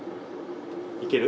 いける？